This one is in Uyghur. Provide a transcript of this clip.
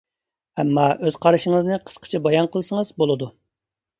ئەمما ئۆز قارىشىڭىزنى قىسقىچە بايان قىلسىڭىز بولىدۇ.